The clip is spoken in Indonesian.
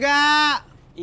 nggak ada pak